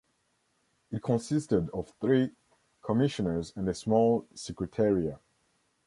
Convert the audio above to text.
It consisted of three Commissioners and a small secretariat.